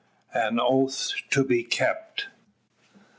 AN OATH TO BE KEPT.